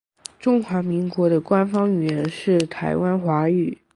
中华民国的官方语言是台湾华语。